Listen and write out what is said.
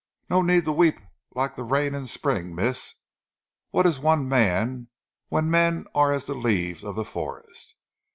"No need to weep lik' zee rain in spring, mees! What ees one man when men are as zee leaves of zee forest?